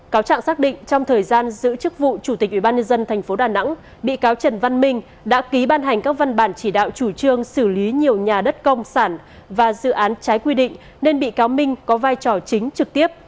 cáo trạng xác định trong thời gian giữ chức vụ chủ tịch ubnd tp đà nẵng bị cáo trần văn minh đã ký ban hành các văn bản chỉ đạo chủ trương xử lý nhiều nhà đất công sản và dự án trái quy định nên bị cáo minh có vai trò chính trực tiếp